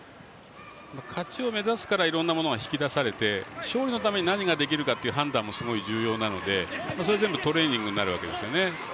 勝ちを目指すからいろんなものが引き出されて勝利のために何ができるかという判断もすごい重要なのでそれは全部トレーニングになるわけですね。